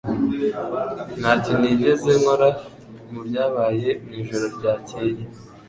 Ntacyo nigeze nkora mubyabaye mwijoro ryakeye.